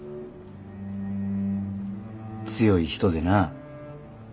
強い人でな。